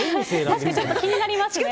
確かにちょっと気になりますね。